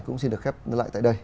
cũng xin được khép lại tại đây